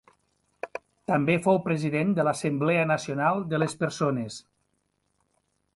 També fou President de l'Assemblea Nacional de les Persones.